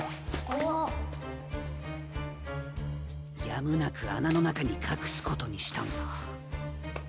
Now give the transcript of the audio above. やむなくあなのなかにかくすことにしたんだ。